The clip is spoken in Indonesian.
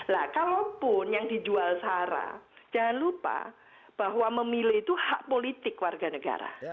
nah kalaupun yang dijual sarah jangan lupa bahwa memilih itu hak politik warga negara